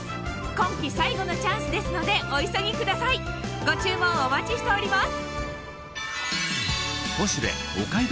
今期最後のチャンスですのでお急ぎくださいご注文お待ちしております